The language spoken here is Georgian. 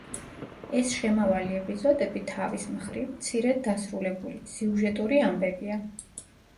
ეს შემავალი ეპიზოდები თავის მხრივ მცირედ დასრულებული, სიუჟეტური ამბებია.